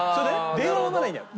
電話はまだいいんだよ。